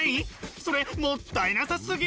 それもったいなさすぎ！